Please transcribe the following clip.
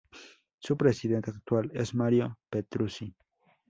Su presidente actual es Mario Petrucci.